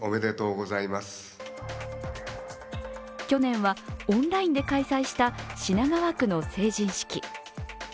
去年はオンラインで開催した品川区の成人式。